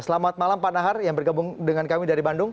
selamat malam pak nahar yang bergabung dengan kami dari bandung